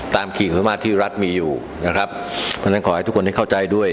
ขีดความสามารถที่รัฐมีอยู่นะครับเพราะฉะนั้นขอให้ทุกคนได้เข้าใจด้วย